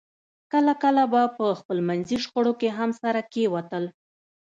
کله کله به په خپلمنځي شخړو کې هم سره کېوتل